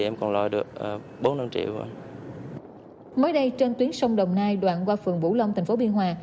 mới đây trên tuyến sông đồng nai đoạn qua phường vũ long tp biên hòa